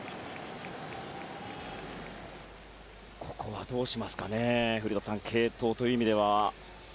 ここはどうしますかね古田さん、継投という意味では。